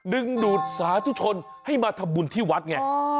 ดึงดูดสาธุชนให้มาทำบุญที่วัดไง